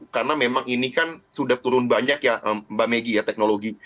karena memang ini kan sudah turun banyak ya mbak megi ya teknologi